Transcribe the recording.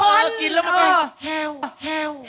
เออกินแล้วมันก็แฮวแฮว